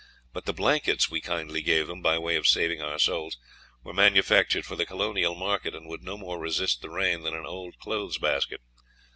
But the blankets we kindly gave them by way of saving our souls were manufactured for the colonial market, and would no more resist the rain than an old clothes basket.